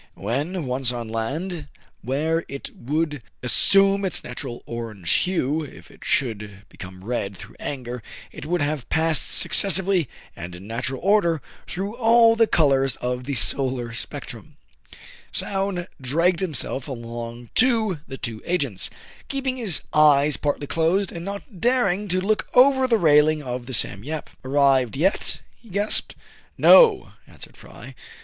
When once on land, where it would assume its natural orange hue, if it should become red through anger, it would have passed successively and in natural order through all the colors of the solar spectrum. CRAIG AND FRY VISIT THE HOLD, 20 7 Soun dragged himself along to the two agents, keeping his eyes partly closed, and not daring to look over the railing of the " Sam Yep." " Arrived yet ?" he gasped. " No" answered Fry.